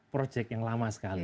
project yang lama sekali